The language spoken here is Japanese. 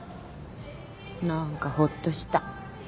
何かほっとした。